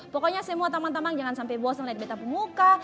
pokoknya semua taman taman jangan sampai bosan lihat beta pemuka